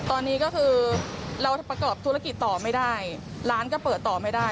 ตอนนี้ก็คือเราประกอบธุรกิจต่อไม่ได้ร้านก็เปิดต่อไม่ได้